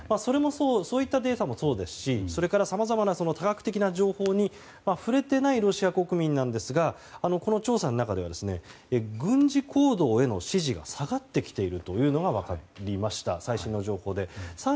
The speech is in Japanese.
そういったデータもそうですしさまざまな多角的な情報に触れていないロシア国民なんですがこの調査の中では軍事行動への支持が下がってきているということが最新の情報で分かりました。